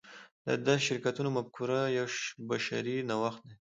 د داسې شرکتونو مفکوره یو بشري نوښت دی.